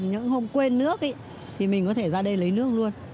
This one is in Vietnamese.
những hôm quên nước thì mình có thể ra đây lấy nước luôn